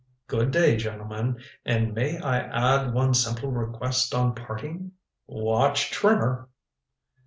Good day, gentlemen. And may I add one simple request on parting? Watch Trimmer!"